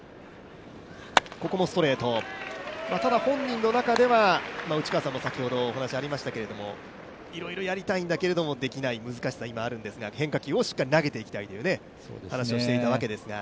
ただ、本人の中では、内川さんのお話も先ほどありましたが、いろいろやりたいんだけどもできない難しさが今、あるんですが変化球をしっかり投げていきたいという話をしていたわけですが。